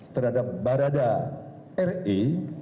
terhadap barada re